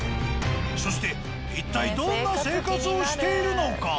そして一体どんな生活をしているのか。